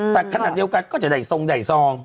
แต่ขนาดเดียวกันก็จะใหญ่ทรงใหญ่ทรอง